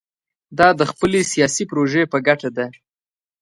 دا د خپلې سیاسي پروژې په ګټه ده.